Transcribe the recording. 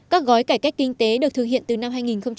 các gói cải cách kinh tế được thực hiện từ năm hai nghìn một mươi